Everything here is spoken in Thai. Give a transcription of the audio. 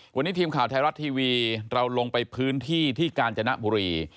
วันนี้ทีมข่าวไทยรัฐทีวีเราลงไปพื้นที่ที่กาญจนบุรี